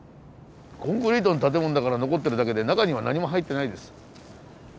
コンクリートの建物だから残ってるだけで中には何も入ってないです。